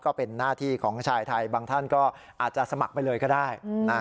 ก็เป็นหน้าที่ของชายไทยบางท่านก็อาจจะสมัครไปเลยก็ได้